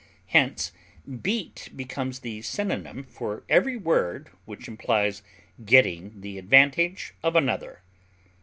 Hence beat becomes the synonym for every word which implies getting the advantage of another.